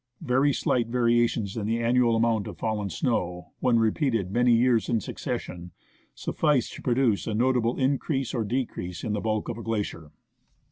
Very slight variations in the annual amount of fallen snow, when repeated many years in succession, suffice to produce a notable increase or decrease in the bulk of a glacier.